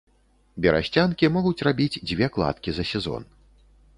Берасцянкі могуць рабіць дзве кладкі за сезон.